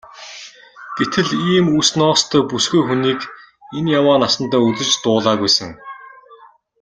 Гэтэл ийм үс ноостой бүсгүй хүнийг энэ яваа насандаа үзэж дуулаагүй сэн.